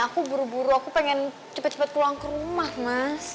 aku buru buru aku pengen cepat cepat pulang ke rumah mas